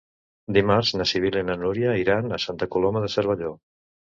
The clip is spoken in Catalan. Dimarts na Sibil·la i na Núria iran a Santa Coloma de Cervelló.